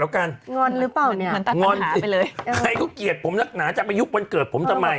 ใครเขาเกียจผมนักหนาจะไปยุบวันเกิดผมทำไม